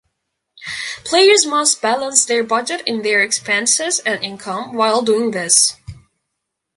Players must balance their budget in their expenses and income while doing this.